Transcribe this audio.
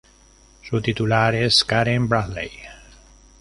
Su titular es Karen Bradley.